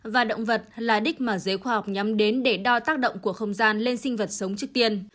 và động vật là đích mà giới khoa học nhắm đến để đo tác động của không gian lên sinh vật sống trước tiên